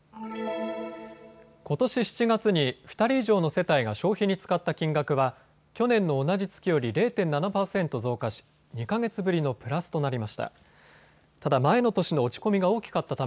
ことし７月に２人以上の世帯が消費に使った金額は去年の同じ月より０．７％増加し２か月ぶりのプラスとなりました。